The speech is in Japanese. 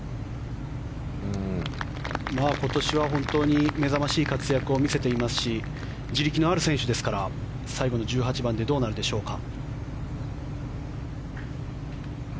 今年は本当に目覚ましい活躍を見せていますし地力のある選手ですから最後の１８番でどうなるでしょうか。